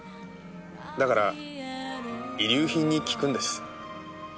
だから遺留品に聞くんです。